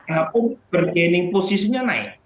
nah pun bergening posisinya naik